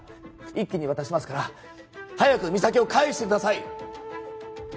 一気に渡しますから早く実咲を返してください